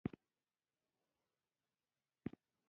هغې خپل شال تړلی ده